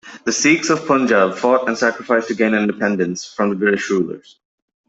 The Sikhs of Punjab fought and sacrificed to gain independence from the British rulers.